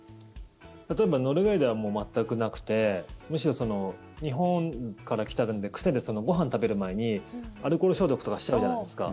例えばノルウェーではもう全くなくてむしろ日本から来たので癖でご飯食べる前にアルコール消毒とかしちゃうじゃないですか。